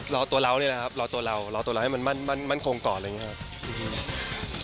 รอตัวเราเนี่ยนะครับรอตัวเรารอตัวเราให้มันมั่นคงก่อนอะไรอย่างนี้ครับ